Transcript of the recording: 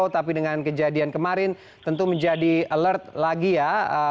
tapi dengan kejadian kemarin tentu menjadi alert lagi ya